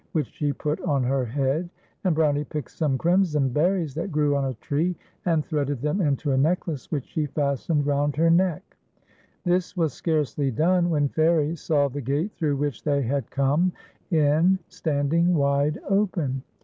which she put on her head ; and Brownie picked some crimson berries that grew on a tree, and threaded them into a necklace, which she fastened round her neck. This was scarcely done, when Fairie saw the gate through which they had come in standing wide open.